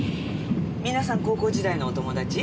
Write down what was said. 皆さん高校時代のお友達？